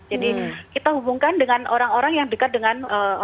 jadi kita hubungkan dengan orang orang yang dekat dengan kita